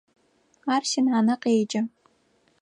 Ар синанэ къеджэ.